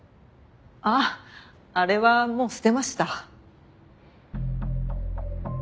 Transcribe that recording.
あああれはもう捨てました。